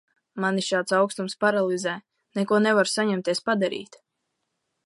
Mani šāds aukstums paralizē, neko nevaru saņemties padarīt.